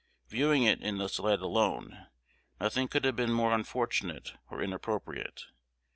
Viewing it in this light alone, nothing could have been more unfortunate or inappropriate.